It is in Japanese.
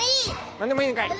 何でもいいんかい。